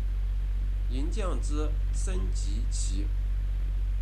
银将之升级棋。